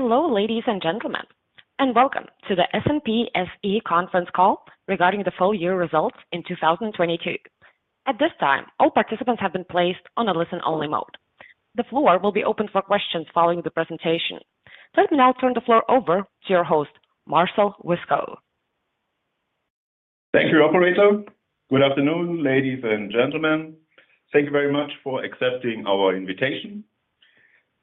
Hello, ladies and gentlemen, and welcome to the SNP SE conference call regarding the full year results in 2022. At this time, all participants have been placed on a listen-only mode. The floor will be open for questions following the presentation. Let me now turn the floor over to your host, Marcel Wiskow. Thank you, operator. Good afternoon, ladies and gentlemen. Thank you very much for accepting our invitation.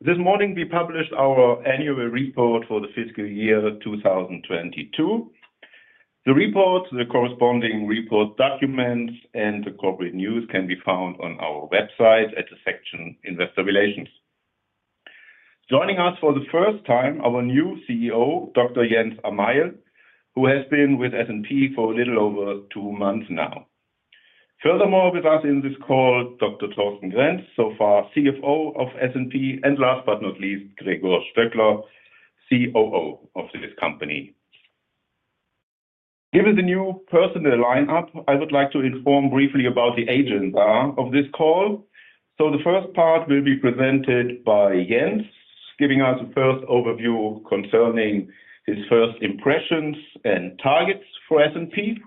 This morning we published our annual report for the fiscal year 2022. The report, the corresponding report documents, and the corporate news can be found on our website at the section Investor Relations. Joining us for the first time, our new CEO, Dr. Jens Amail, who has been with SNP for a little over two months now. Furthermore, with us in this call, Dr. Thorsten Grenz, so far CFO of SNP. Last but not least, Gregor Stöckler, COO of this company. Given the new personnel line up, I would like to inform briefly about the agenda of this call. The first part will be presented by Jens, giving us a first overview concerning his first impressions and targets for SNP.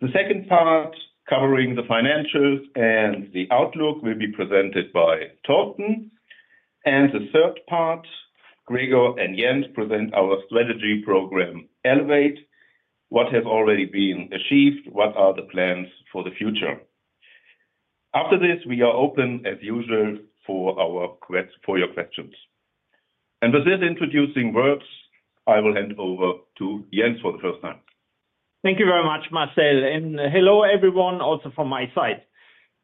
The second part, covering the financials and the outlook, will be presented by Thorsten. The third part, Gregor and Jens present our strategy program, Elevate, what have already been achieved, what are the plans for the future. After this, we are open as usual for your questions. With this introducing words, I will hand over to Jens for the first time. Thank you very much, Marcel. Hello everyone, also from my side.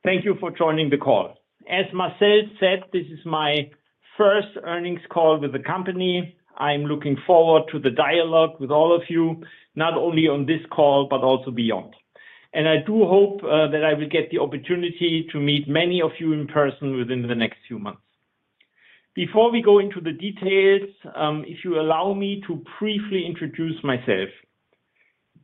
Thank you for joining the call. As Marcel said, this is my first earnings call with the company. I'm looking forward to the dialogue with all of you, not only on this call, but also beyond. I do hope that I will get the opportunity to meet many of you in person within the next few months. Before we go into the details, if you allow me to briefly introduce myself.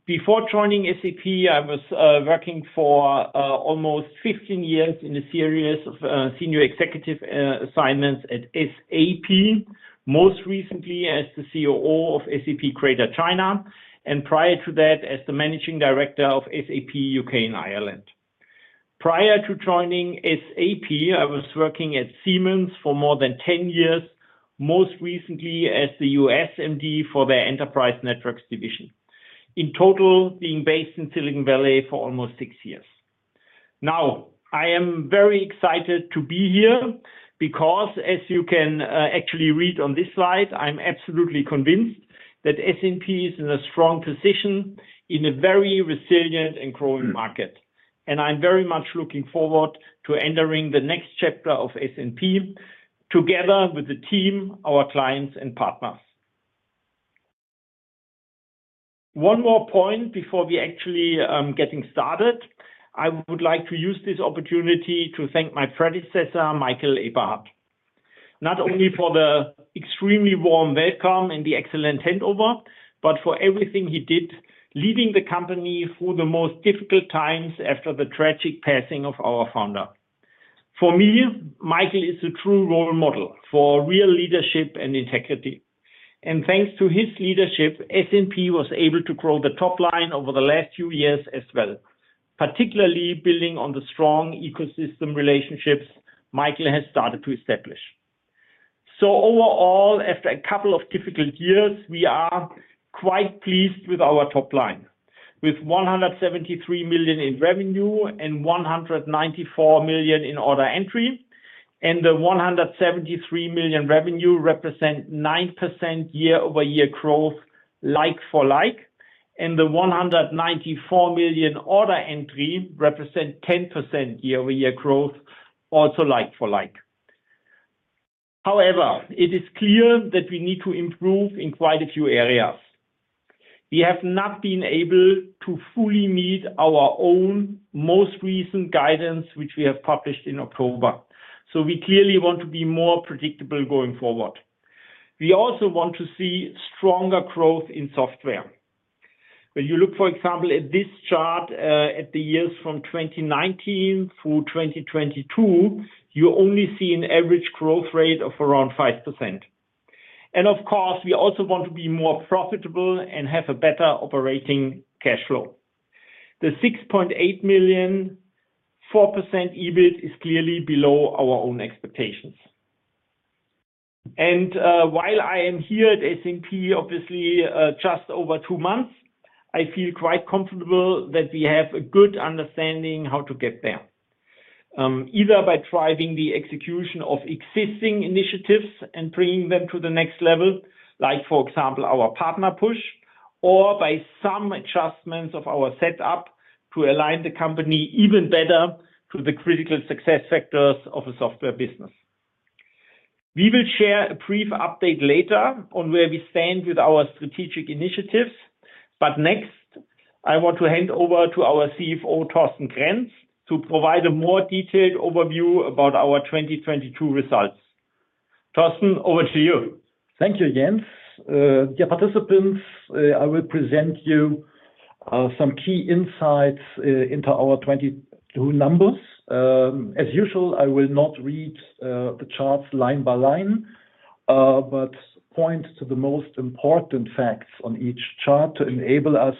Before joining SAP, I was working for almost 15 years in a series of senior executive assignments at SAP, most recently as the COO of SAP Greater China, and prior to that as the managing director of SAP UK & Ireland. Prior to joining SAP, I was working at Siemens for more than 10 years, most recently as the U.S. MD for their enterprise networks division, in total being based in Silicon Valley for almost 6 years. Now, I am very excited to be here because, as you can actually read on this slide, I'm absolutely convinced that SNP is in a strong position in a very resilient and growing market. I'm very much looking forward to entering the next chapter of SNP together with the team, our clients and partners. One more point before we actually getting started. I would like to use this opportunity to thank my predecessor, Michael Eberhardt, not only for the extremely warm welcome and the excellent handover, but for everything he did leading the company through the most difficult times after the tragic passing of our founder. For me, Michael is a true role model for real leadership and integrity. Thanks to his leadership, SNP was able to grow the top line over the last few years as well, particularly building on the strong ecosystem relationships Michael has started to establish. Overall, after a couple of difficult years, we are quite pleased with our top line, with 173 million in revenue and 194 million in order entry. The 173 million revenue represent 9% year-over-year growth, like for like. The 194 million order entry represent 10% year-over-year growth, also like for like. However, it is clear that we need to improve in quite a few areas. We have not been able to fully meet our own most recent guidance, which we have published in October. We clearly want to be more predictable going forward. We also want to see stronger growth in software. When you look, for example, at this chart, at the years from 2019 through 2022, you only see an average growth rate of around 5%. Of course, we also want to be more profitable and have a better operating cash flow. The 6.8 million, 4% EBIT is clearly below our own expectations. While I am here at SNP, obviously, just over two months, I feel quite comfortable that we have a good understanding how to get there. Either by driving the execution of existing initiatives and bringing them to the next level, like for example, our partner push, or by some adjustments of our setup to align the company even better to the critical success factors of a software business. We will share a brief update later on where we stand with our strategic initiatives, but next I want to hand over to our CFO, Thorsten Grenz, to provide a more detailed overview about our 2022 results. Thorsten, over to you. Thank you, Jens. Dear participants, I will present you some key insights into our 22 numbers. As usual, I will not read the charts line by line, but point to the most important facts on each chart to enable us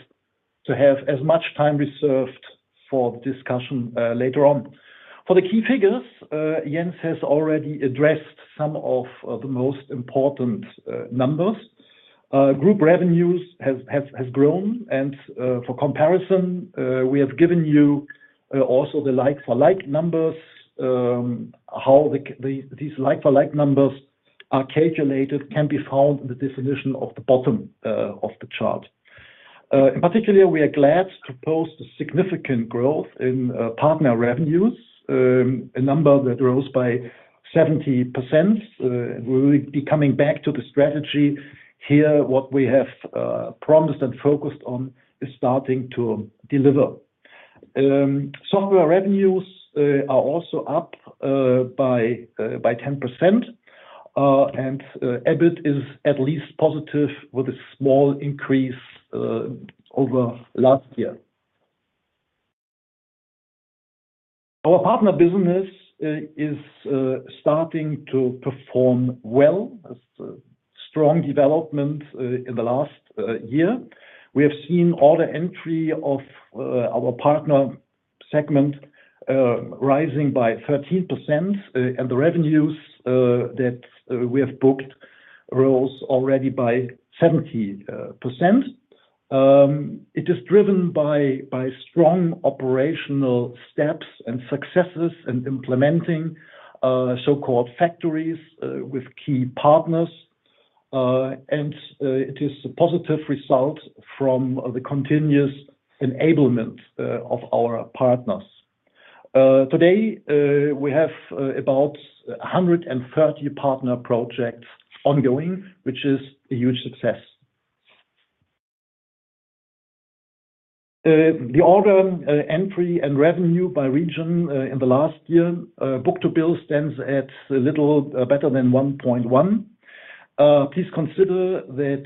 to have as much time reserved for the discussion later on. For the key figures, Jens has already addressed some of the most important numbers. Group revenues has grown. For comparison, we have given you also the like for like numbers. How these like for like numbers are calculated can be found in the definition of the bottom of the chart. In particular, we are glad to post a significant growth in partner revenues, a number that grows by 70%. We will be coming back to the strategy here. What we have promised and focused on is starting to deliver. Software revenues are also up by 10%. EBIT is at least positive with a small increase over last year. Our partner business is starting to perform well. A strong development in the last year. We have seen order entry of our partner segment rising by 13%, and the revenues that we have booked rose already by 70%. It is driven by strong operational steps and successes in implementing so-called factories with key partners. It is a positive result from the continuous enablement of our partners. Today, we have about 130 partner projects ongoing, which is a huge success. The order entry and revenue by region in the last year, book-to-bill stands at a little better than 1.1. Please consider that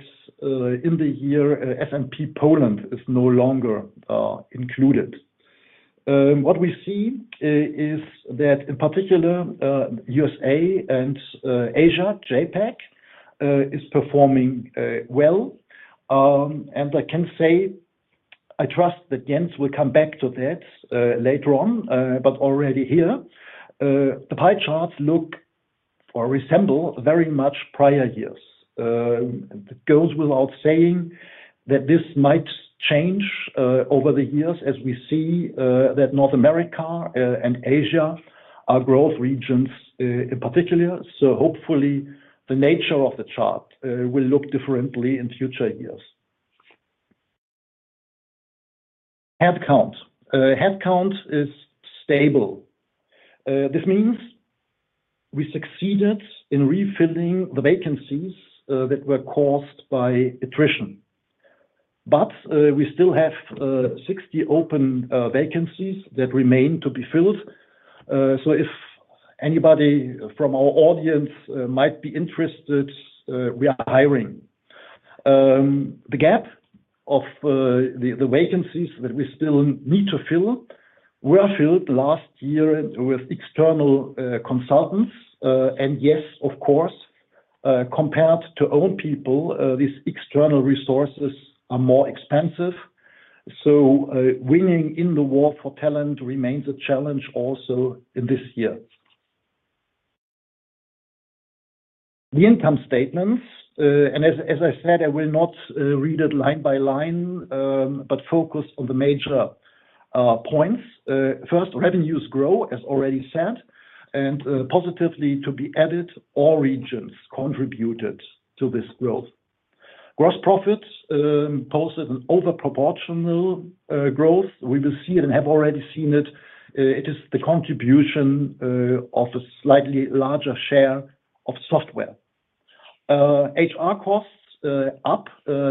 in the year, SNP Poland is no longer included. What we see is that in particular, USA and APJ is performing well. I can say I trust that Jens will come back to that later on, but already here, the pie charts look or resemble very much prior years. It goes without saying that this might change over the years as we see that North America and Asia are growth regions in particular. Hopefully, the nature of the chart will look differently in future years. Headcount. Headcount is stable. This means we succeeded in refilling the vacancies that were caused by attrition. We still have 60 open vacancies that remain to be filled. If anybody from our audience might be interested, we are hiring. The gap of the vacancies that we still need to fill were filled last year with external consultants. Yes, of course, compared to own people, these external resources are more expensive. Winning in the war for talent remains a challenge also in this year. The income statements, and as I said, I will not read it line by line, but focus on the major points. First, revenues grow, as already said, and positively to be added, all regions contributed to this growth. Gross profits posted an over proportional growth. We will see it and have already seen it. It is the contribution of a slightly larger share of software. HR costs up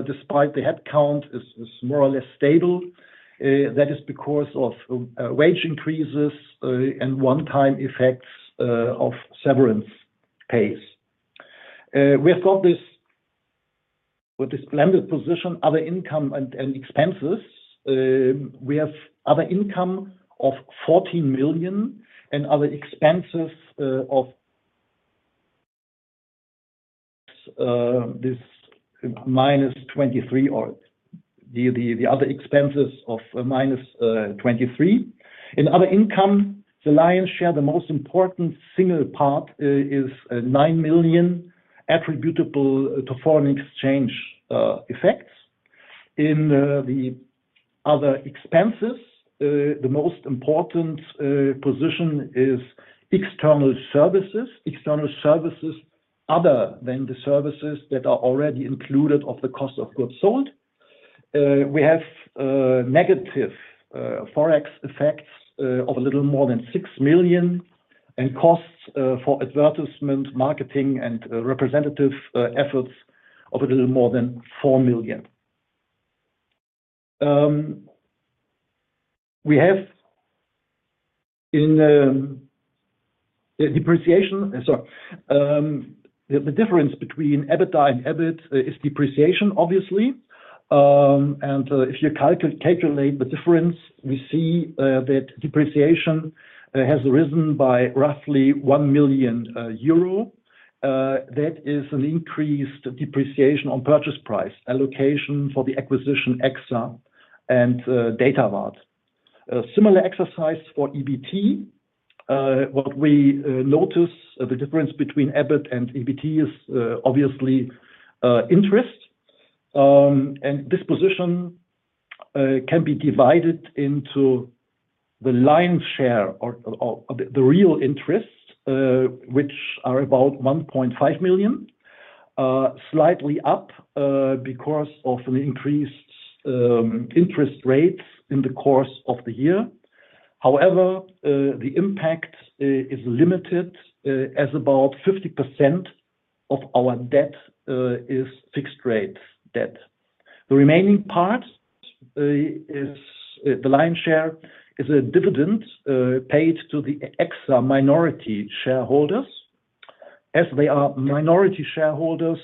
despite the headcount is more or less stable. That is because of wage increases and one-time effects of severance pays. We have got this with this blended position, other income and expenses. We have other income of 40 million and other expenses of this minus 23 or the other expenses of minus 23. In other income, the lion's share, the most important single part is 9 million attributable to foreign exchange effects. In the other expenses, the most important position is external services. External services other than the services that are already included of the cost of goods sold. We have negative Forex effects of a little more than 6 million and costs for advertisement, marketing, and representative efforts of a little more than 4 million. The difference between EBITDA and EBIT is depreciation, obviously. If you calculate the difference, we see that depreciation has risen by roughly 1 million euro. That is an increased depreciation on purchase price allocation for the acquisition EXA and Datavard. A similar exercise for EBT. What we notice, the difference between EBIT and EBT is obviously interest. This position can be divided into the lion's share or the real interest, which are about 1.5 million, slightly up because of an increased interest rates in the course of the year. However, the impact is limited as about 50% of our debt is fixed rate debt. The remaining part is the lion's share, is a dividend paid to the EXA minority shareholders. As they are minority shareholders,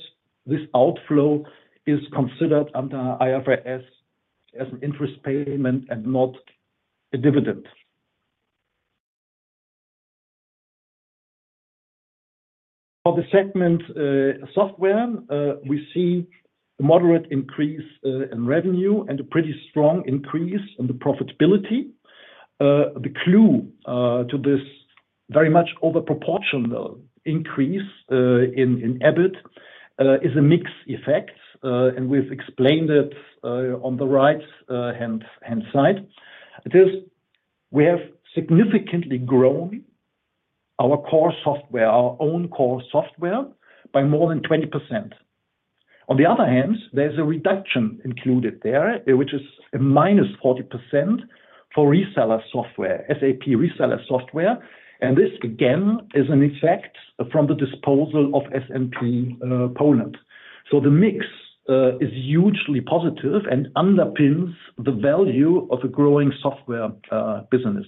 this outflow is considered under IFRS as an interest payment and not a dividend. For the segment software, we see a moderate increase in revenue and a pretty strong increase in the profitability. Very much over proportional increase in EBIT is a mix effect, and we've explained it on the right-hand side. It is we have significantly grown our core software, our own core software by more than 20%. On the other hand, there's a reduction included there, which is a minus 40% for reseller software, SAP reseller software. This again, is an effect from the disposal of SNP Poland. The mix is hugely positive and underpins the value of a growing software business.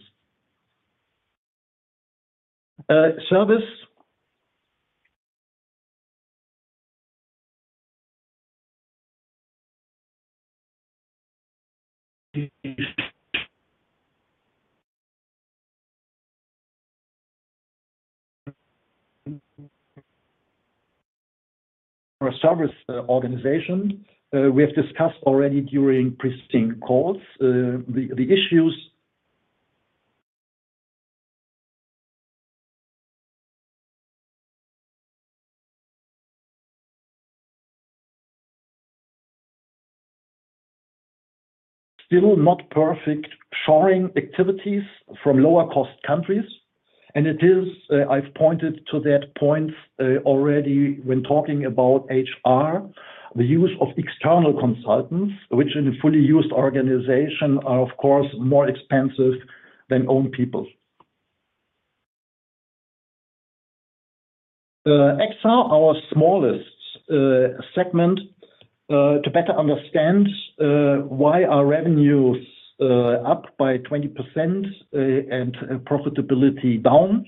For our service organization, we have discussed already during pristine calls, the issues. Still not perfect shoring activities from lower cost countries. It is, I've pointed to that point already when talking about HR The use of external consultants, which in a fully used organization are of course more expensive than own people. EXA, our smallest segment, to better understand why our revenue is up by 20% and profitability down.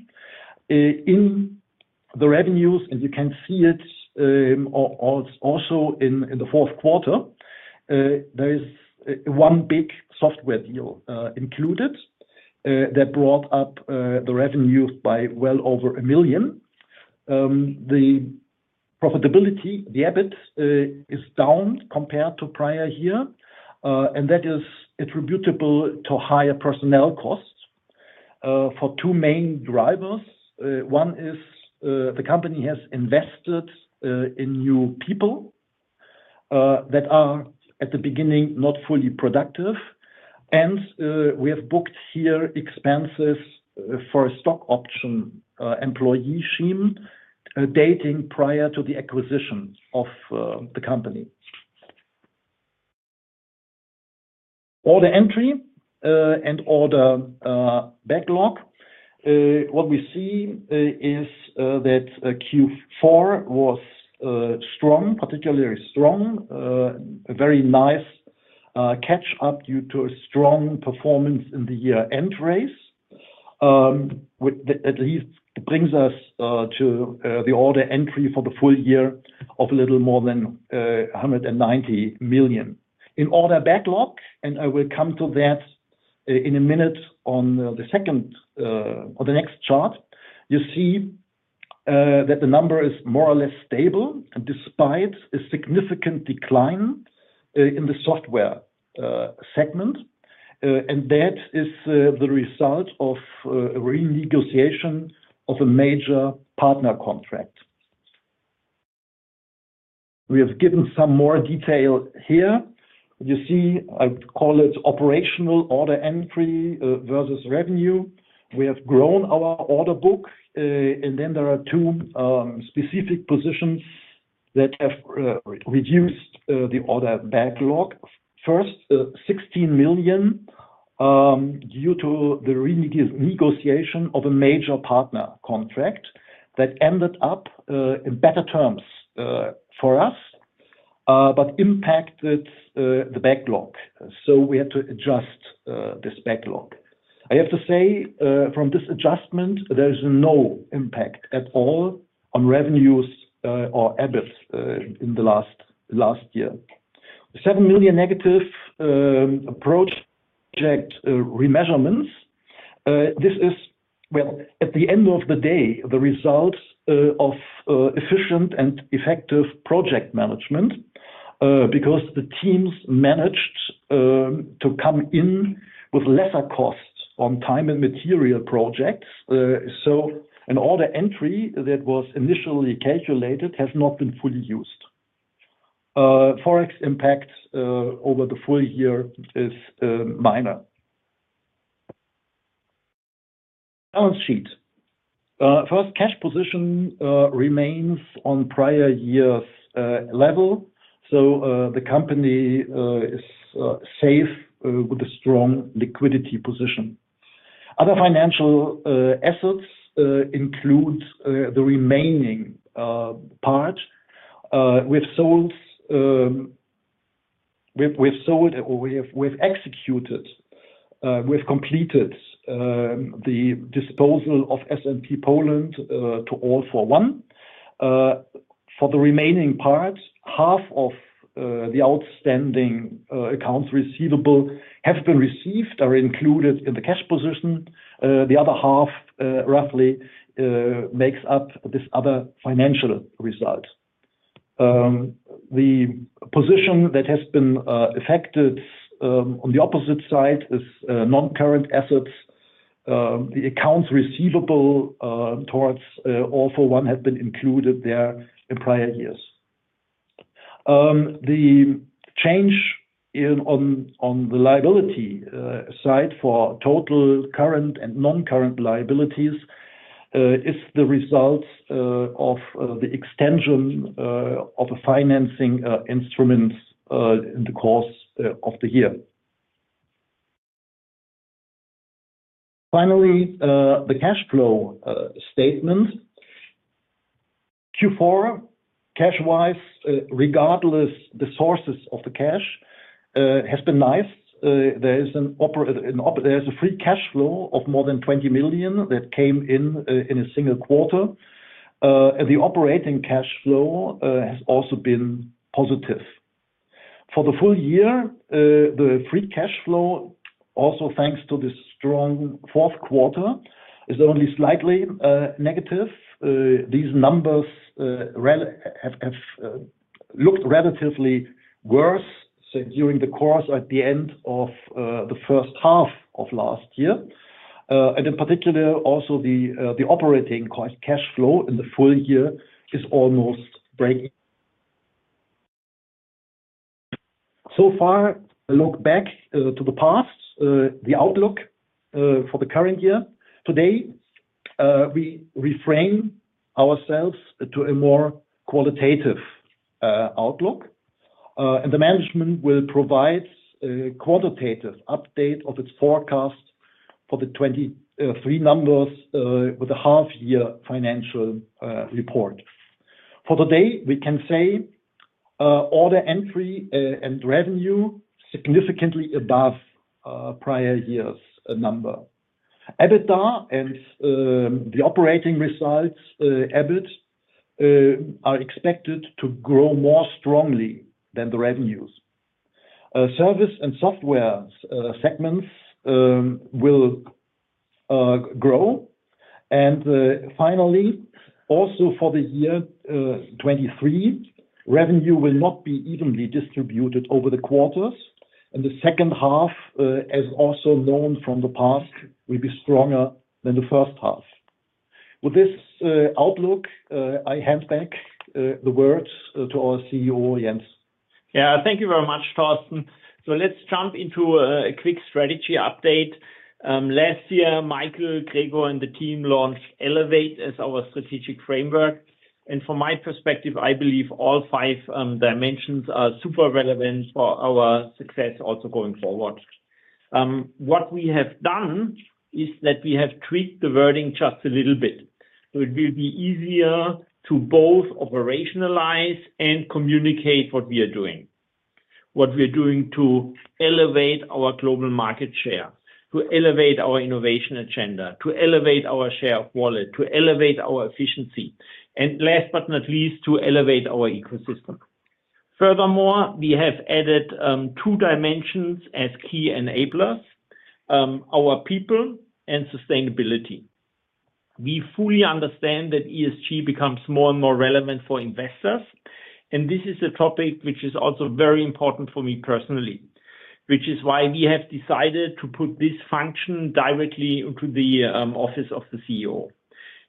In the revenues, and you can see it also in the fourth quarter, there is one big software deal included that brought up the revenues by well over 1 million. The profitability, the EBIT, is down compared to prior year, and that is attributable to higher personnel costs for two main drivers. One is, the company has invested in new people that are at the beginning, not fully productive. We have booked here expenses for a stock option employee scheme dating prior to the acquisition of the company. Order entry and order backlog. What we see is that Q4 was strong, particularly strong. A very nice catch up due to a strong performance in the year-end race, which at least brings us to the order entry for the full year of a little more than 190 million. In order backlog, and I will come to that in a minute on the second or the next chart, you see that the number is more or less stable despite a significant decline in the software segment. That is the result of a renegotiation of a major partner contract. We have given some more detail here. You see, I call it operational order entry versus revenue. We have grown our order book. There are two specific positions that have reduced the order backlog. First, 16 million due to the renegotiation of a major partner contract that ended up in better terms for us, but impacted the backlog. We had to adjust this backlog. I have to say, from this adjustment, there is no impact at all on revenues or EBIT in the last year. 7 million negative project remeasurements. This is, well, at the end of the day, the results of efficient and effective project management because the teams managed to come in with lesser costs on time and material projects. An order entry that was initially calculated has not been fully used. Forex impact over the full year is minor. Balance sheet. First cash position remains on prior year's level. The company is safe with a strong liquidity position. Other financial assets include the remaining part we've sold or we've executed, we've completed the disposal of SNP Poland to All for One. For the remaining parts, half of the outstanding accounts receivable have been received are included in the cash position. The other half roughly makes up this other financial result. The position that has been affected on the opposite side is non-current assets. The accounts receivable towards All for One have been included there in prior years. The change on the liability side for total current and non-current liabilities is the result of the extension of financing instruments in the course of the year. The cash flow statement. Q4, cash-wise, regardless the sources of the cash, has been nice. There is a free cash flow of more than 20 million that came in in a single quarter. The operating cash flow has also been positive. For the full year, the free cash flow also thanks to the strong fourth quarter, is only slightly negative. These numbers have looked relatively worse during the course at the end of the first half of last year. In particular, also the operating cash flow in the full year is almost breaking. So far, a look back to the past, the outlook for the current year. Today, we reframe ourselves to a more qualitative outlook, and the management will provide a quantitative update of its forecast for the 23 numbers with a half year financial report. For today, we can say, order entry and revenue significantly above prior year's number. EBITDA and the operating results, EBIT, are expected to grow more strongly than the revenues. Service and software segments will grow. Finally, also for the year 2023, revenue will not be evenly distributed over the quarters. The second half, as also known from the past, will be stronger than the first half. With this outlook, I hand back the words to our CEO, Jens. Yeah. Thank you very much, Thorsten. Let's jump into a quick strategy update. Last year, Michael Eberhardt, Gregor Stöckler, and the team launched Elevate as our strategic framework. From my perspective, I believe all five dimensions are super relevant for our success also going forward. What we have done is that we have tweaked the wording just a little bit. It will be easier to both operationalize and communicate what we are doing. What we are doing to Elevate our global market share, to Elevate our innovation agenda, to Elevate our share of wallet, to Elevate our efficiency, and last but not least, to Elevate our ecosystem. Furthermore, we have added 2 dimensions as key enablers, our people and sustainability. We fully understand that ESG becomes more and more relevant for investors, and this is a topic which is also very important for me personally. Which is why we have decided to put this function directly into the office of the CEO.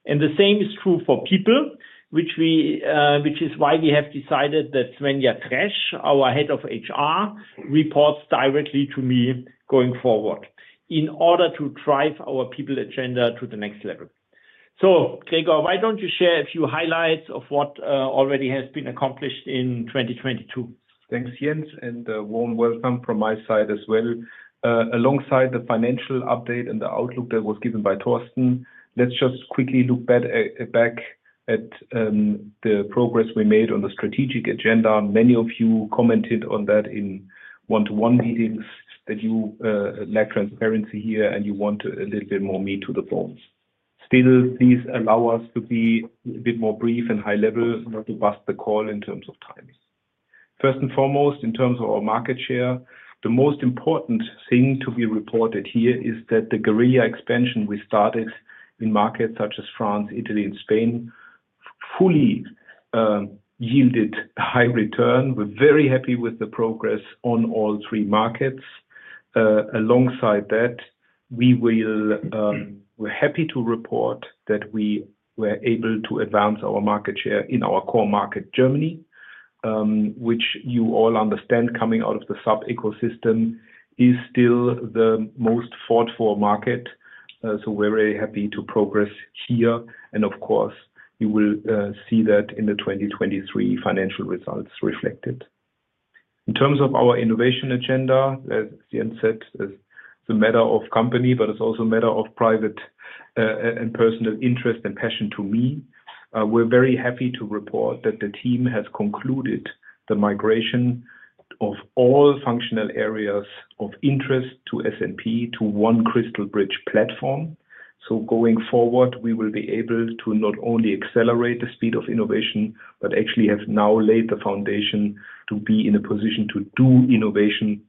The same is true for people, which we, which is why we have decided that Svenja Tresch, our head of HR, reports directly to me going forward in order to drive our people agenda to the next level. Gregor, why don't you share a few highlights of what already has been accomplished in 2022. Thanks, Jens, and warm welcome from my side as well. Alongside the financial update and the outlook that was given by Thorsten, let's just quickly look back at the progress we made on the strategic agenda. Many of you commented on that in one-to-one meetings. That you lack transparency here, you want a little bit more meat to the bones. Still, these allow us to be a bit more brief and high-level in order to pass the call in terms of times. First and foremost, in terms of our market share, the most important thing to be reported here is that the guerrilla expansion we started in markets such as France, Italy and Spain fully yielded high return. We're very happy with the progress on all three markets. Alongside that, we're happy to report that we were able to advance our market share in our core market, Germany, which you all understand, coming out of the SAP ecosystem is still the most fought for market. We're very happy to progress here, and of course, you will see that in the 2023 financial results reflected. In terms of our innovation agenda, as Jens said, is the matter of company, but it's also a matter of private and personal interest and passion to me. We're very happy to report that the team has concluded the migration of all functional areas of interest to SNP to one CrystalBridge platform. Going forward, we will be able to not only accelerate the speed of innovation, but actually have now laid the foundation to be in a position to do innovation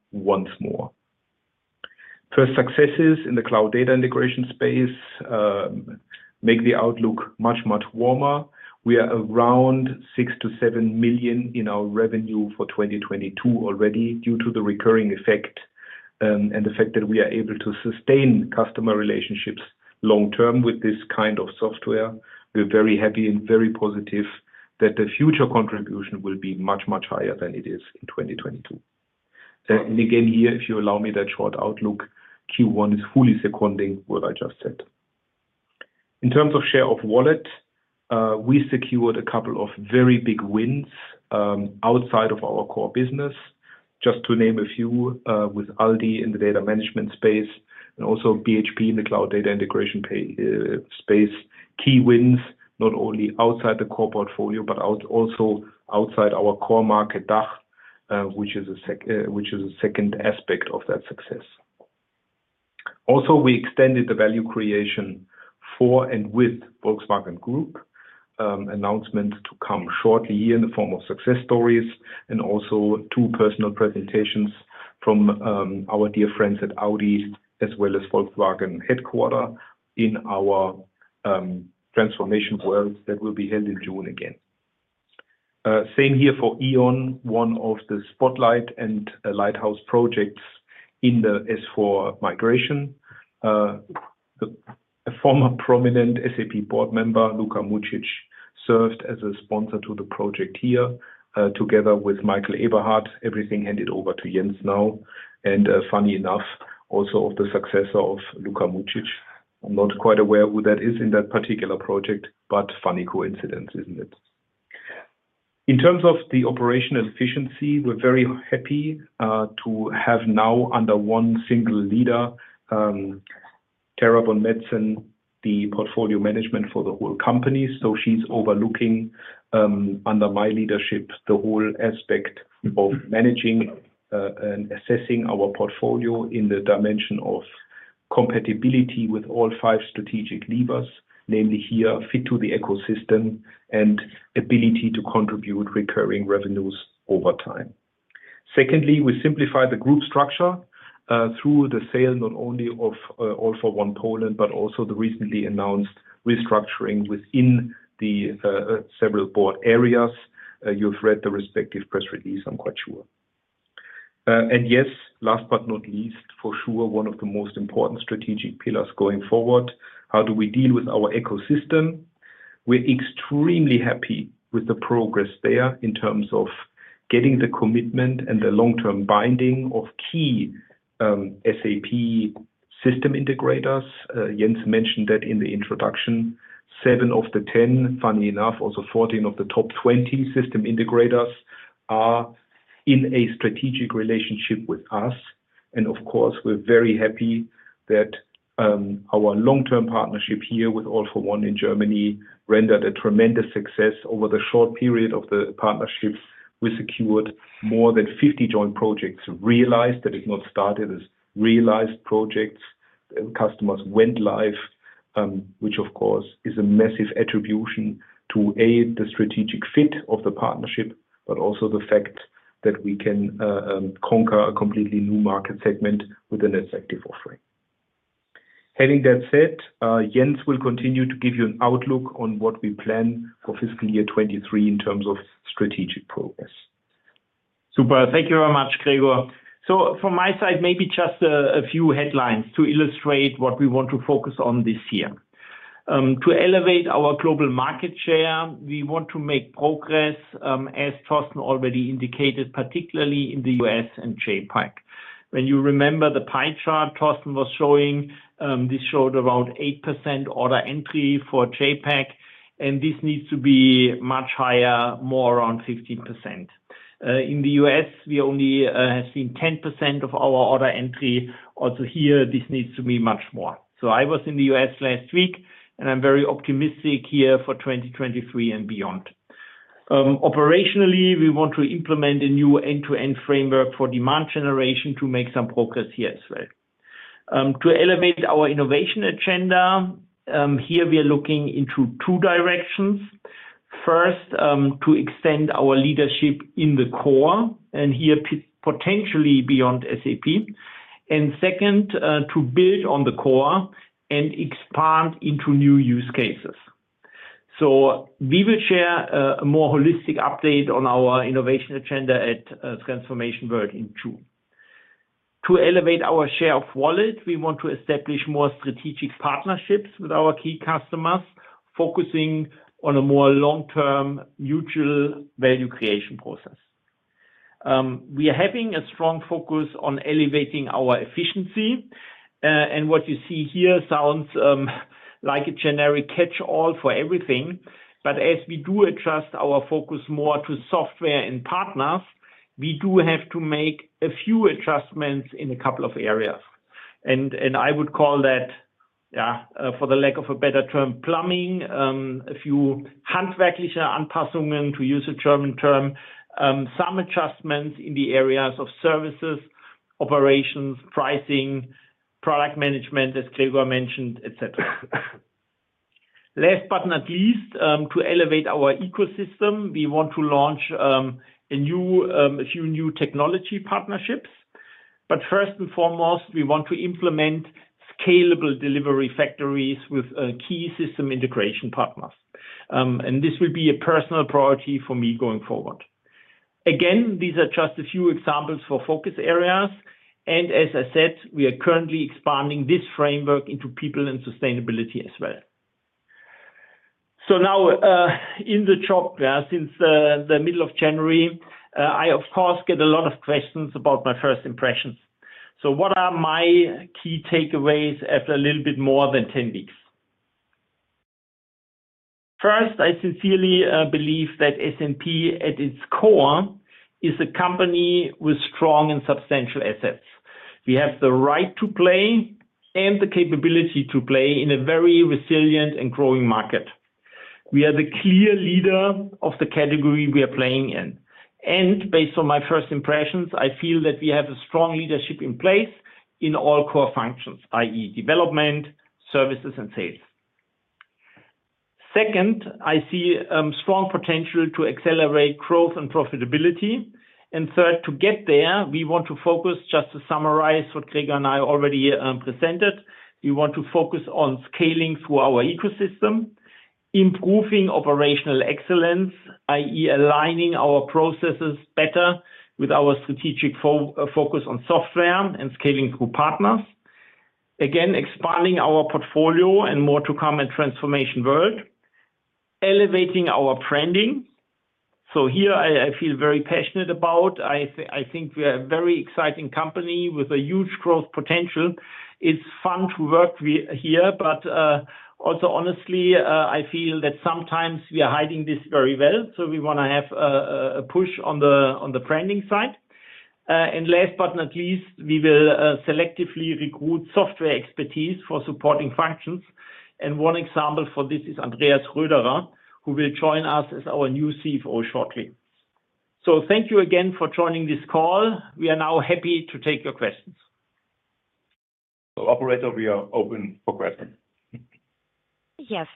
once more. First successes in the cloud data integration space make the outlook much, much warmer. We are around 6 million-7 million in our revenue for 2022 already, due to the recurring effect and the fact that we are able to sustain customer relationships long term with this kind of software. We're very happy and very positive that the future contribution will be much, much higher than it is in 2022. Again, here, if you allow me that short outlook, Q1 is fully seconding what I just said. In terms of share of wallet, we secured a couple of very big wins outside of our core business. Just to name a few, with Aldi in the data management space and also BHP in the cloud data integration space. Key wins, not only outside the core portfolio, but also outside our core market, DACH, which is a second aspect of that success. We extended the value creation for and with Volkswagen Group, announcement to come shortly here in the form of success stories and also 2 personal presentations from our dear friends at Audi as well as Volkswagen headquarter in our Transformation World that will be held in June again. Same here for E.ON, one of the spotlight and lighthouse projects in the S/4 migration. A former prominent SAP board member, Luka Mucic, served as a sponsor to the project here together with Michael Eberhardt. Everything handed over to Jens now. Funny enough, also of the successor of Luka Mucic. I'm not quite aware who that is in that particular project, funny coincidence, isn't it? In terms of the operational efficiency, we're very happy to have now under one single leader, Tara von Metzen, the portfolio management for the whole company. She's overlooking under my leadership, the whole aspect of managing and assessing our portfolio in the dimension of compatibility with all five strategic levers, namely here, fit to the ecosystem and ability to contribute recurring revenues over time. Secondly, we simplify the group structure through the sale not only of All for One Poland, but also the recently announced restructuring within the several board areas. You've read the respective press release, I'm quite sure. Yes, last but not least, for sure, one of the most important strategic pillars going forward, how do we deal with our ecosystem? We're extremely happy with the progress there in terms of getting the commitment and the long-term binding of key SAP system integrators. Jens mentioned that in the introduction. seven of the 10, funny enough, also 14 of the top 20 system integrators are in a strategic relationship with us. Of course, we're very happy that our long-term partnership here with All for One in Germany rendered a tremendous success. Over the short period of the partnership, we secured more than 50 joint projects, realized that it not started as realized projects. Customers went live, which of course, is a massive attribution to, A, the strategic fit of the partnership, but also the fact that we can conquer a completely new market segment with an effective offering. Having that said, Jens will continue to give you an outlook on what we plan for fiscal year 23 in terms of strategic progress. Super. Thank you very much, Gregor. From my side, maybe just a few headlines to illustrate what we want to focus on this year. To elevate our global market share, we want to make progress, as Thorsten already indicated, particularly in the U.S. and JPIC. When you remember the pie chart Thorsten was showing, this showed around 8% order entry for JPIC, and this needs to be much higher, more around 15%. In the U.S., we only have seen 10% of our order entry. Also here, this needs to be much more. I was in the U.S. last week, and I'm very optimistic here for 2023 and beyond. Operationally, we want to implement a new end-to-end framework for demand generation to make some progress here as well. To elevate our innovation agenda, here we are looking into two directions. First, to extend our leadership in the core, and here potentially beyond SAP. Second, to build on the core and expand into new use cases. We will share a more holistic update on our innovation agenda at Transformation World in June. To elevate our share of wallet, we want to establish more strategic partnerships with our key customers, focusing on a more long-term mutual value creation process. We are having a strong focus on elevating our efficiency. What you see here sounds like a generic catch-all for everything. As we do adjust our focus more to software and partners, we do have to make a few adjustments in a couple of areas. I would call that, yeah, for the lack of a better term, plumbing. A few Yes.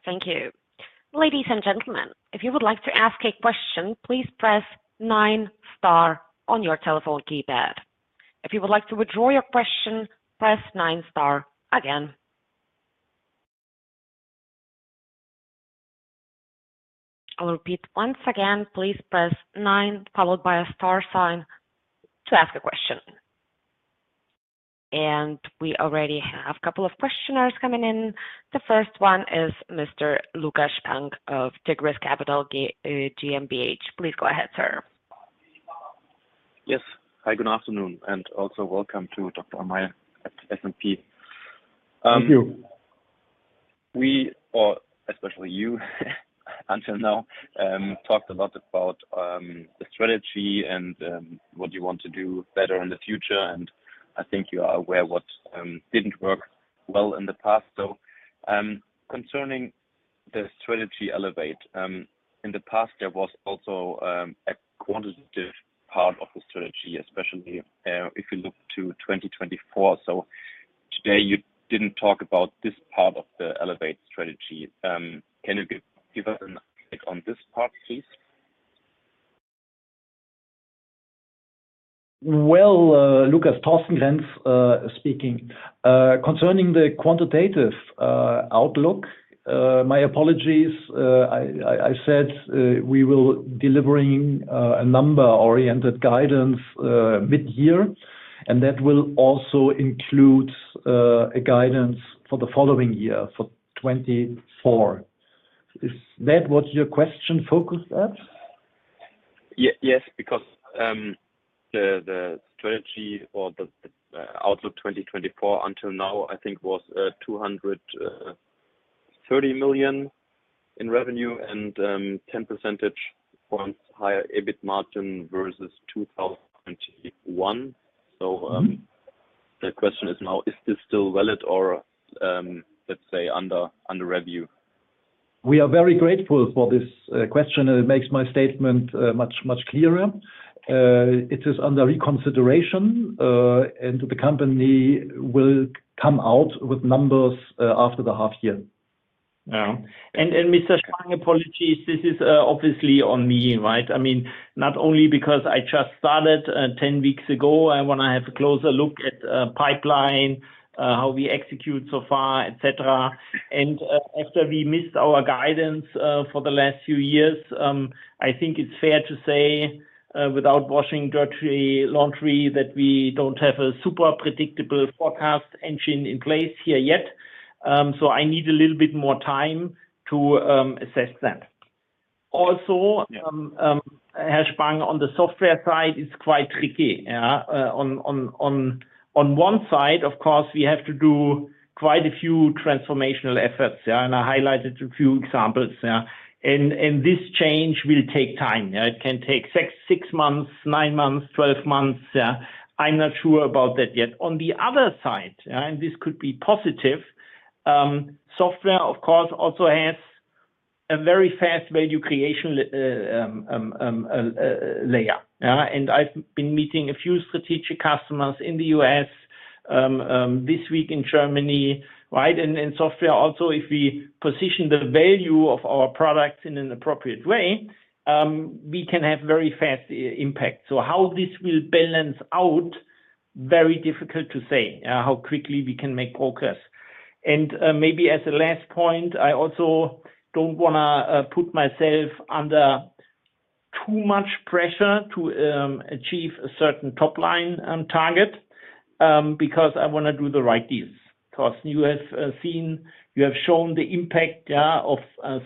Thank you. Ladies and gentlemen, if you would like to ask a question, please press 9 star on your telephone keypad. If you would like to withdraw your question, press 9 star again. I'll repeat once again, please press 9 followed by a star sign to ask a question. We already have a couple of questioners coming in. The first one is Mr. Lukas Spang of Tigris Capital GmbH. Please go ahead, sir. Yes. Hi, good afternoon, and also welcome to Dr. Meyer at SAP. Thank you. We, or especially you until now, talked a lot about the strategy and what you want to do better in the future. I think you are aware what didn't work well in the past. Concerning the strategy Elevate, in the past, there was also a quantitative part of the strategy, especially if you look to 2024. Today you didn't talk about this part of the Elevate strategy. Can you give us an update on this part, please? Well, Lukas, Thorsten Grenz speaking. Concerning the quantitative outlook, my apologies, I said we will delivering a number-oriented guidance mid-year, and that will also include a guidance for the following year, for 2024. Is that what your question focused at? Yes. The strategy or the outlook 2024 until now I think was 230 million in revenue and 10 percentage points higher EBIT margin versus 2021. The question is now, is this still valid or, let's say under review? We are very grateful for this question, and it makes my statement much, much clearer. It is under reconsideration, and the company will come out with numbers after the half year. Yeah. Mr. Spang, apologies, this is obviously on me, right? I mean, not only because I just started 10 weeks ago, I wanna have a closer look at pipeline, how we execute so far, etc. After we missed our guidance for the last few years, I think it's fair to say, without washing dirty laundry, that we don't have a super predictable forecast engine in place here yet. So I need a little bit more time to assess that. Yeah. Herr Spang, on the software side, it's quite tricky, yeah. On one side, of course, we have to do quite a few transformational efforts, yeah, and I highlighted a few examples, yeah. This change will take time, yeah. It can take six months, nine months, 12 months, yeah. I'm not sure about that yet. On the other side, yeah, and this could be positive, software, of course, also has a very fast value creation layer. Yeah. I've been meeting a few strategic customers in the U.S. this week in Germany, right? Software also, if we position the value of our products in an appropriate way, we can have very fast impact. How this will balance out, very difficult to say, how quickly we can make progress. Maybe as a last point, I also don't wanna put myself under too much pressure to achieve a certain top line target because I wanna do the right deals. You have seen you have shown the impact, yeah, of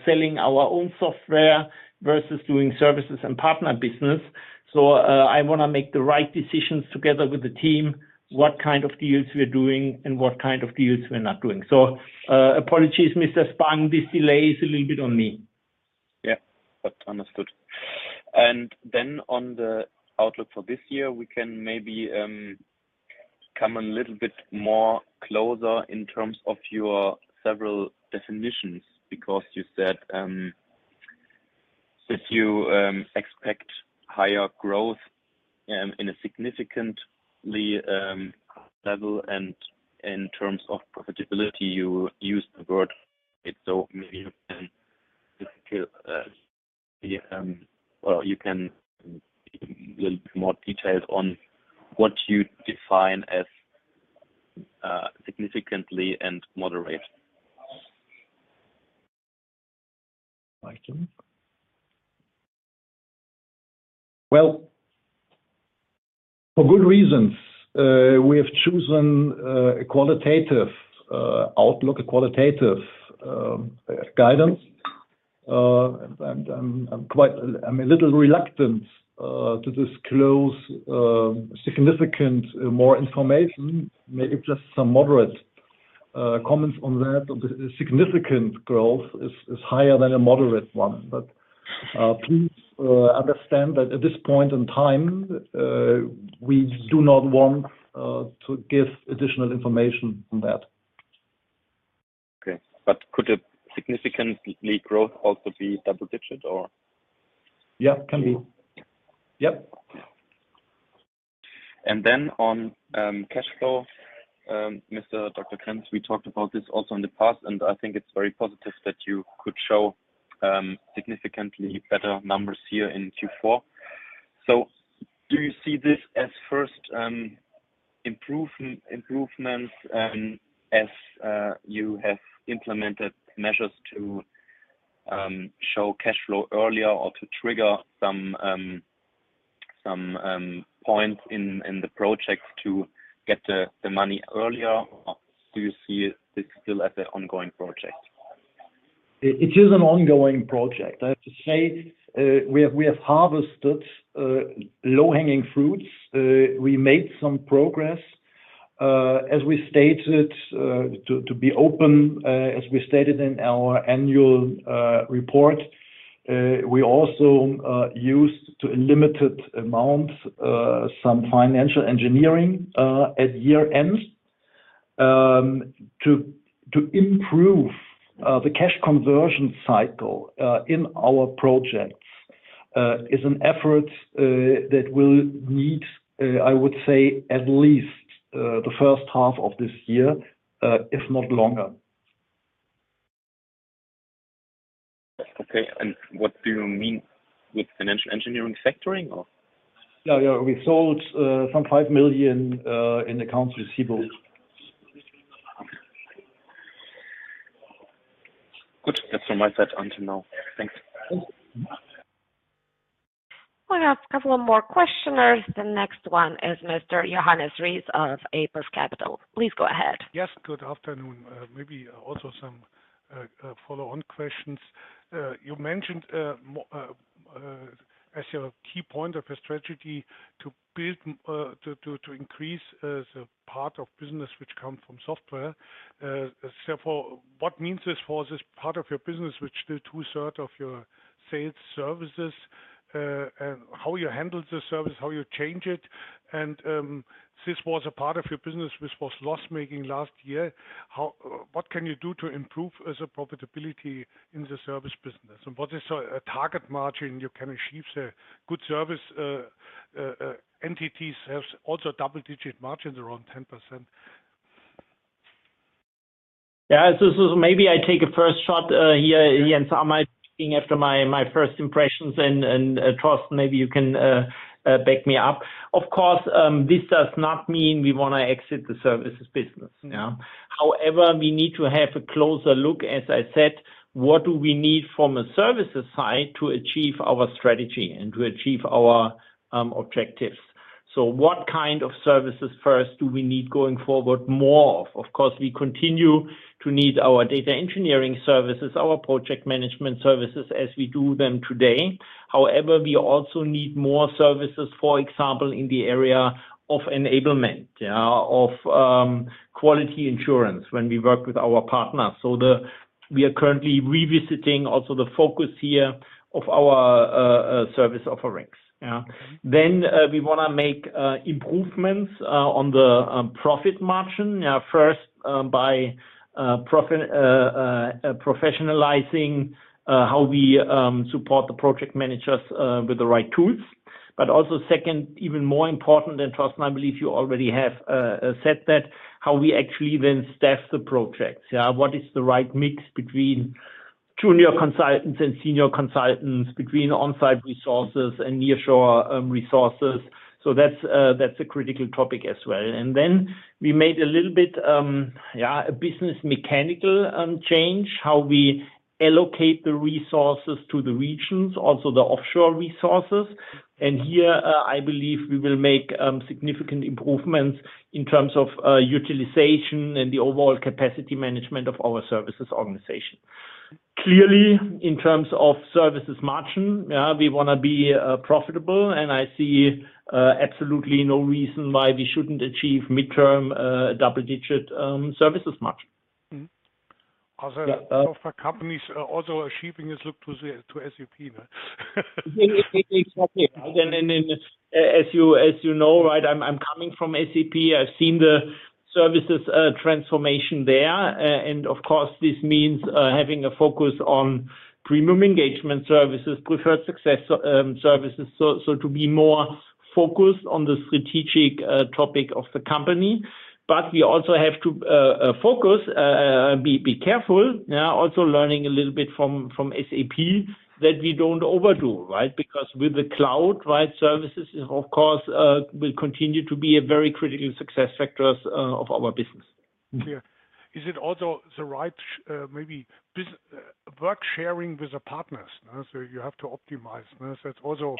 selling our own software versus doing services and partner business. I wanna make the right decisions together with the team, what kind of deals we're doing and what kind of deals we're not doing. Apologies, Mr. Spang, this delay is a little bit on me. Understood. On the outlook for this year, we can maybe come a little bit more closer in terms of your several definitions. You said that you expect higher growth in a significantly level, and in terms of profitability, you used the word moderate. Maybe you can just, or you can give a little bit more details on what you define as significantly and moderate. Thank you. Well, for good reasons, we have chosen a qualitative outlook, a qualitative guidance. I'm a little reluctant to disclose significant more information. Maybe just some moderate comments on that. The significant growth is higher than a moderate one. Please understand that at this point in time, we do not want to give additional information on that. Okay. could a significantly growth also be double digit or? Yeah, can be. Okay. Yep. On cash flow, Dr. Thorsten Grenz, we talked about this also in the past, and I think it's very positive that you could show significantly better numbers here in Q4. Do you see this as first improvement, as you have implemented measures to show cash flow earlier or to trigger some points in the projects to get the money earlier? Do you see this still as an ongoing project? It is an ongoing project. I have to say, we have harvested low-hanging fruits. We made some progress. As we stated, to be open, as we stated in our annual report, we also used to a limited amount some financial engineering at year-ends. To improve the cash conversion cycle in our projects is an effort that will need, I would say, at least the first half of this year, if not longer. Okay. What do you mean with financial engineering? Factoring or? Yeah, yeah. We sold, some 5 million, in accounts receivable. Okay. Good. That's all my side until now. Thanks. Thanks. We have a couple of more questioners. The next one is Mr. Johannes Rees of Apers Capital. Please go ahead. Yes, good afternoon. Maybe also some follow-on questions. You mentioned as your key point of your strategy to build, to increase the part of business which come from software. What means this for this part of your business, which the two-third of your sales services? How you handle the service, how you change it. This was a part of your business which was loss-making last year. What can you do to improve as a profitability in the service business? What is a target margin you can achieve there? Good service entities has also double-digit margins around 10%. Yeah. Maybe I take a first shot here. I might be after my first impressions and Thorsten Grenz, maybe you can back me up. Of course, this does not mean we wanna exit the services business. However, we need to have a closer look, as I said, what do we need from a services side to achieve our strategy and to achieve our objectives. What kind of services first do we need going forward more of? Of course, we continue to need our data engineering services, our project management services as we do them today. However, we also need more services, for example, in the area of enablement, of quality insurance when we work with our partners. We are currently revisiting also the focus here of our service offerings. We wanna make improvements on the profit margin, first by professionalizing how we support the project managers with the right tools. Second, even more important, and Thorsten Grenz, I believe you already have said that, how we actually then staff the projects. What is the right mix between junior consultants and senior consultants, between on-site resources and nearshore resources. That's a critical topic as well. We made a little bit a business mechanical change, how we allocate the resources to the regions, also the offshore resources. Here, I believe we will make significant improvements in terms of utilization and the overall capacity management of our services organization. Clearly, in terms of services margin, yeah, we wanna be profitable, and I see absolutely no reason why we shouldn't achieve midterm double-digit services margin. Mm-hmm. Uh- Other software companies are also achieving this look to SAP, right? Exactly. As you know, right, I'm coming from SAP. I've seen the services, transformation there. Of course, this means having a focus on premium engagement services, preferred success services. To be more focused on the strategic topic of the company. We also have to focus, be careful, yeah, also learning a little bit from SAP that we don't overdo, right? Because with the cloud, right, services, of course, will continue to be a very critical success factors of our business. Yeah. Is it also the right, maybe work sharing with the partners? You have to optimize. That's also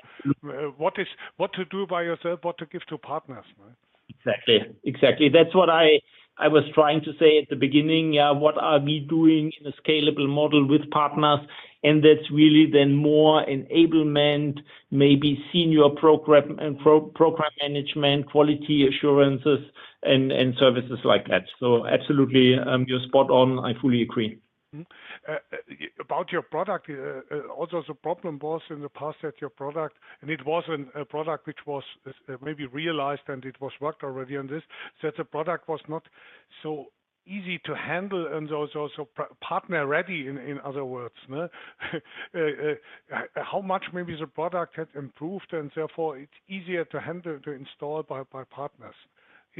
what to do by yourself, what to give to partners, right? Exactly. That's what I was trying to say at the beginning, yeah, what are we doing in a scalable model with partners, and that's really then more enablement, maybe senior program and pro-program management, quality assurances, and services like that. Absolutely, you're spot on. I fully agree. About your product, also the problem was in the past that your product, and it was a product which was maybe realized and it was worked already on this, that the product was not so easy to handle and was also partner ready, in other words, ne. How much maybe the product had improved and therefore it's easier to handle, to install by partners?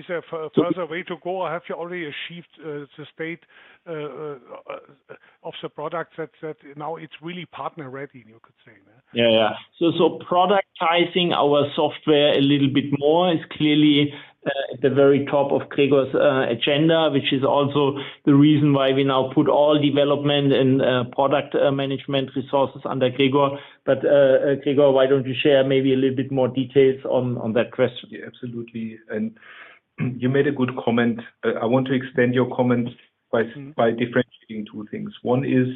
So- further way to go, or have you already achieved, the state, of the product that now it's really partner ready, you could say, ne? Yeah. Yeah. Productizing our software a little bit more is clearly at the very top of Gregor's agenda, which is also the reason why we now put all development and product management resources under Gregor. Gregor, why don't you share maybe a little bit more details on that question? Yeah, absolutely. You made a good comment. I want to extend your comments by. Mm-hmm. By differentiating two things. One is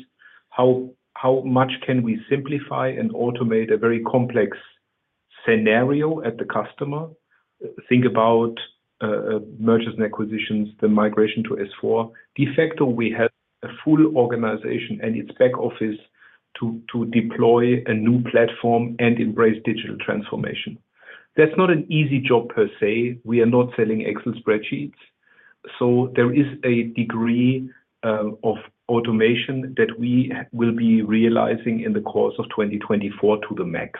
how much can we simplify and automate a very complex scenario at the customer? Think about mergers and acquisitions, the migration to S/4. De facto, we have a full organization and its back office to deploy a new platform and embrace digital transformation. That's not an easy job per se. We are not selling Excel spreadsheets. There is a degree of automation that we will be realizing in the course of 2024 to the max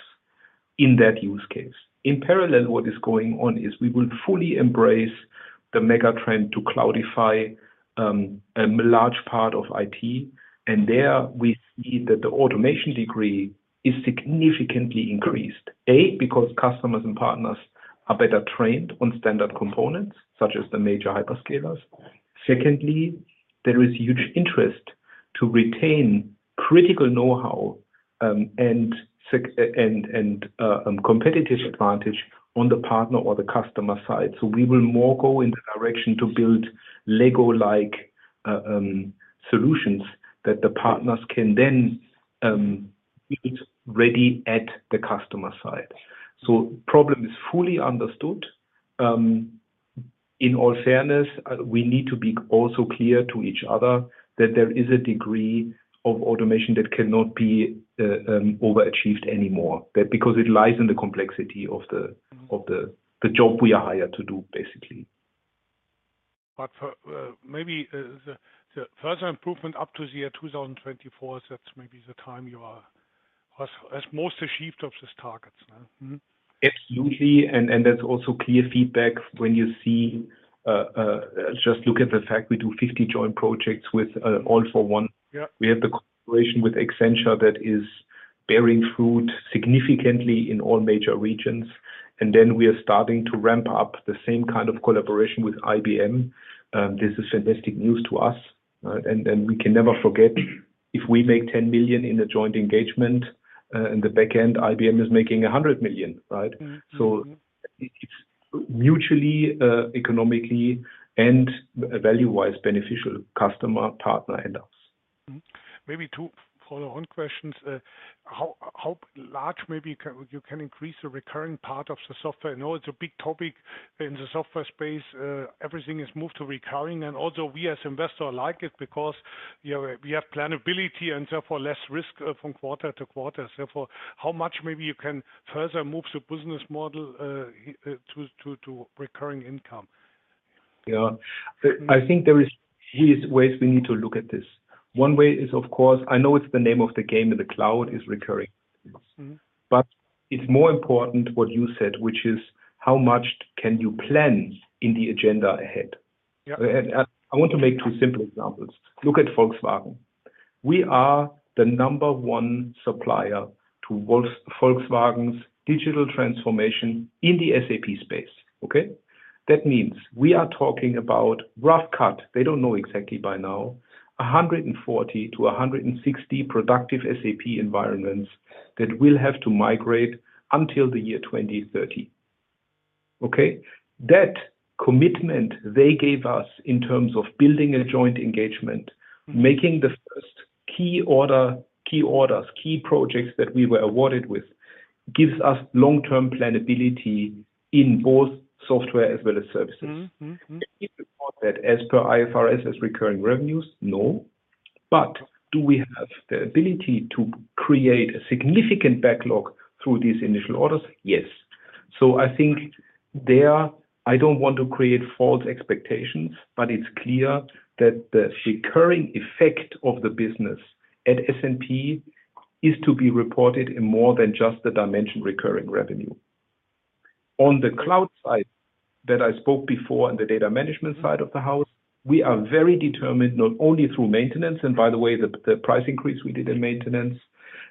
in that use case. In parallel, what is going on is we will fully embrace the megatrend to cloudify a large part of IT, and there we see that the automation degree is significantly increased. Because customers and partners are better trained on standard components, such as the major hyperscalers. Secondly, there is huge interest to retain critical know-how and competitive advantage on the partner or the customer side. We will more go in the direction to build Lego-like solutions that the partners can then use ready at the customer side. Problem is fully understood. In all fairness, we need to be also clear to each other that there is a degree of automation that cannot be overachieved anymore. That because it lies in the complexity of the job we are hired to do, basically. For, maybe, the further improvement up to the year 2024, that's maybe the time you are most achieved of these targets, yeah. Absolutely. That's also clear feedback when you see, just look at the fact we do 50 joint projects with, All for One. Yeah. We have the collaboration with Accenture that is bearing fruit significantly in all major regions. Then we are starting to ramp up the same kind of collaboration with IBM. This is fantastic news to us, right? We can never forget, if we make 10 million in a joint engagement, in the back end, IBM is making 100 million, right? Mm-hmm. It's mutually, economically, and value-wise beneficial customer, partner, and us. Maybe two follow-on questions. How large maybe you can increase the recurring part of the software? I know it's a big topic in the software space. Everything is moved to recurring. Also we as investors like it because, you know, we have planability and therefore less risk from quarter to quarter. How much maybe you can further move the business model to recurring income? Yeah. I think, here is ways we need to look at this. One way is, of course, I know it's the name of the game, and the cloud is recurring. Mm-hmm. It's more important what you said, which is how much can you plan in the agenda ahead? Yeah. I want to make two simple examples. Look at Volkswagen. We are the number one supplier to Volkswagen's digital transformation in the SAP space. Okay? That means we are talking about rough cut. They don't know exactly by now, 140-160 productive SAP environments that will have to migrate until the year 2030. Okay? That commitment they gave us in terms of building a joint engagement, making the first key orders, key projects that we were awarded with, gives us long-term planability in both software as well as services. Mm-hmm. Mm-hmm. Can we report that as per IFRS as recurring revenues? No. Do we have the ability to create a significant backlog through these initial orders? Yes. I think there, I don't want to create false expectations, but it's clear that the recurring effect of the business at SNP is to be reported in more than just the dimension recurring revenue. On the cloud side that I spoke before, on the data management side of the house, we are very determined, not only through maintenance, and by the way, the price increase we did in maintenance,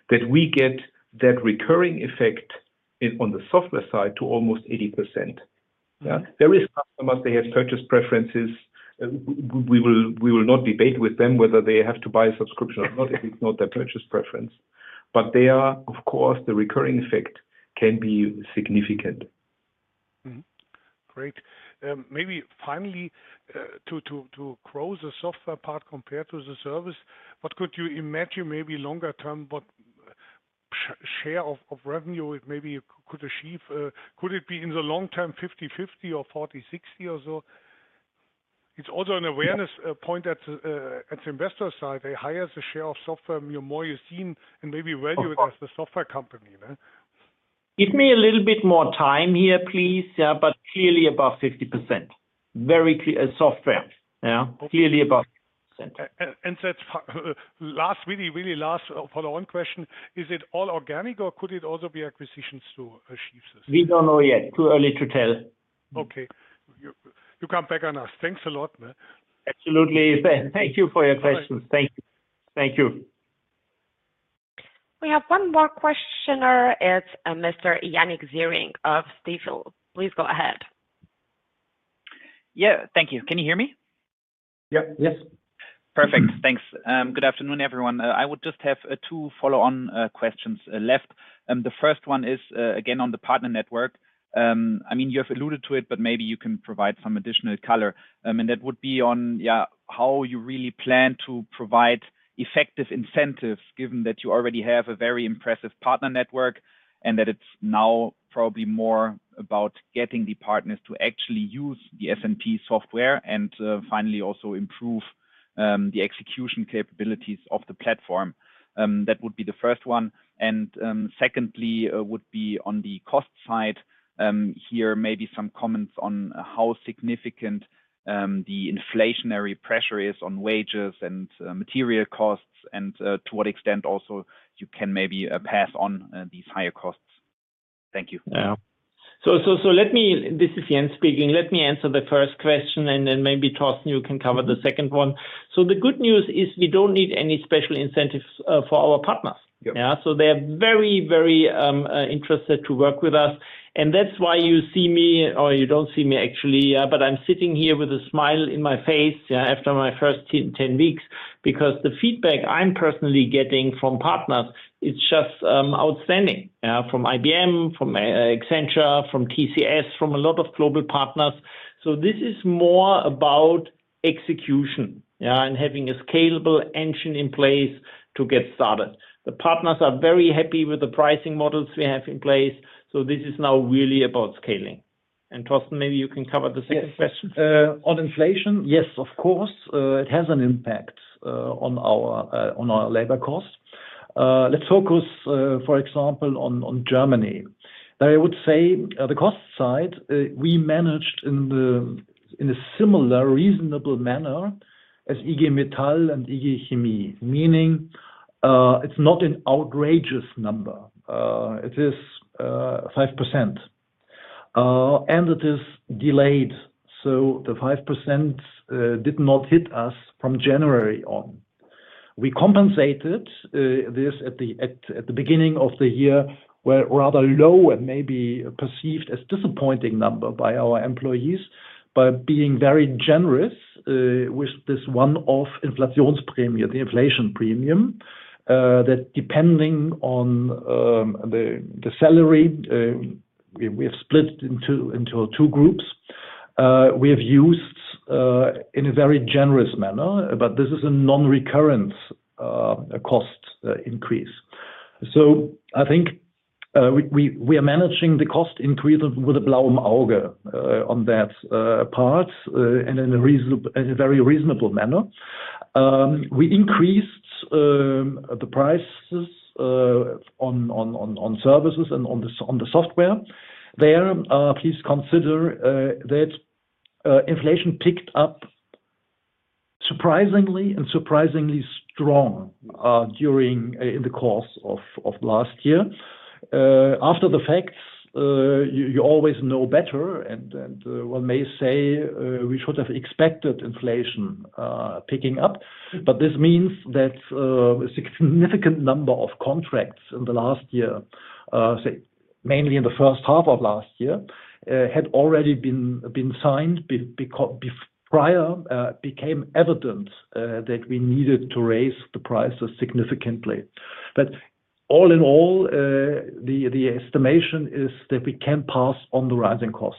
that we get that recurring effect on the software side to almost 80%. Yeah. There is customers, they have purchase preferences. We will, we will not debate with them whether they have to buy a subscription or not if it's not their purchase preference. They are, of course, the recurring effect can be significant. Mm-hmm. Great. Maybe finally, to close the software part compared to the service, what could you imagine maybe longer term, what share of revenue it maybe could achieve? Could it be in the long term 50/50 or 40/60 or so? It's also an awareness point at investor side. They hire the share of software, more you seen and maybe value it as the software company, yeah. Give me a little bit more time here, please, yeah. Clearly above 50%. Very clear. Software, yeah. Clearly above 50%. That's really last follow-on question. Is it all organic or could it also be acquisitions to achieve this? We don't know yet. Too early to tell. Okay. You come back on us. Thanks a lot. Absolutely. Thank you for your questions. Thank you. Thank you. We have one more questioner. It's Mr. Jannik Ziering of Jefferies. Please go ahead. Yeah. Thank you. Can you hear me? Yep. Yes. Perfect. Thanks. Good afternoon, everyone. I would just have 2 follow-on questions left. The first one is again on the partner network. I mean, you have alluded to it, but maybe you can provide some additional color. That would be on, yeah, how you really plan to provide effective incentives given that you already have a very impressive partner network and that it's now probably more about getting the partners to actually use the SNP software and finally also improve the execution capabilities of the platform. That would be the first one. Secondly, would be on the cost side. Hear maybe some comments on how significant the inflationary pressure is on wages and material costs and to what extent also you can maybe pass on these higher costs. Thank you. Yeah. So. This is Jens speaking. Let me answer the first question, and then maybe Thorsten, you can cover the second one. The good news is we don't need any special incentives for our partners. Yep. Yeah. They are very, very, interested to work with us. That's why you see me, or you don't see me, actually, but I'm sitting here with a smile in my face, yeah, after my first 10 weeks, because the feedback I'm personally getting from partners is just, outstanding. Yeah. From IBM, from Accenture, from TCS, from a lot of global partners. This is more about execution, yeah, and having a scalable engine in place to get started. The partners are very happy with the pricing models we have in place, so this is now really about scaling. Thorsten, maybe you can cover the second question. Yes. On inflation, yes, of course, it has an impact on our labor costs. Let's focus, for example, on Germany. I would say, the cost side, we managed in a similar reasonable manner as IG Metall and IG BCE. Meaning, it's not an outrageous number. It is 5% and it is delayed. The 5% did not hit us from January on. We compensated this at the beginning of the year were rather low and may be perceived as disappointing number by our employees by being very generous with this one-off Inflationsprämie, the inflation premium, that depending on the salary, we have split into two groups. We have used in a very generous manner, but this is a non-recurrent cost increase. I think we are managing the cost increase with a deutsch on that part and in a reasonable, in a very reasonable manner. We increased the prices on services and on the software. There, please consider that inflation picked up surprisingly and surprisingly strong during in the course of last year. After the fact, you always know better and one may say, we should have expected inflation picking up. This means that a significant number of contracts in the last year, say mainly in the first half of last year, had already been signed prior, became evident that we needed to raise the prices significantly. All in all, the estimation is that we can pass on the rising cost.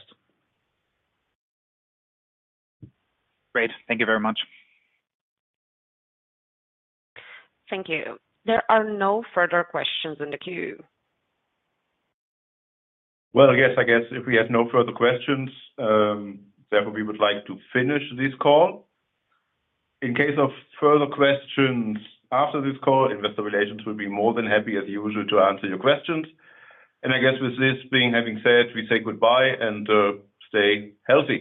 Great. Thank you very much. Thank you. There are no further questions in the queue. Well, I guess if we have no further questions, then we would like to finish this call. In case of further questions after this call, investor relations will be more than happy as usual to answer your questions. I guess with this being having said, we say goodbye and stay healthy.